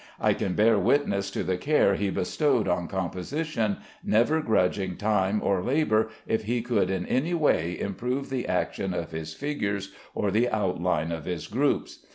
I can bear witness to the care he bestowed on composition, never grudging time or labor if he could in any way improve the action of his figures or the outline of his groups.